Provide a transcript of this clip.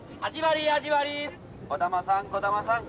児玉さん児玉さん